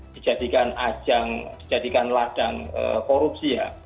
dijadikan ajang dijadikan ladang korupsi ya